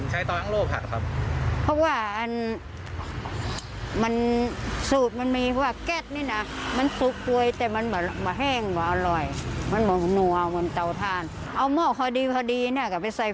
ให้ทุกวันละเกินไป